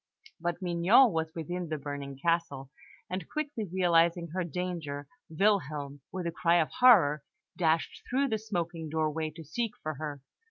But Mignon was within the burning castle; and quickly realising her danger, Wilhelm, with a cry of horror, dashed through the smoking doorway to seek for her.